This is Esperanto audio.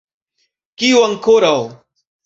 Kio ankoraŭ?